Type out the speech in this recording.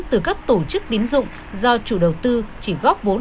từ các tổ chức tín dụng do chủ đầu tư chỉ góp vốn